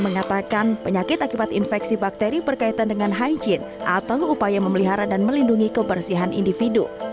mengatakan penyakit akibat infeksi bakteri berkaitan dengan hygiene atau upaya memelihara dan melindungi kebersihan individu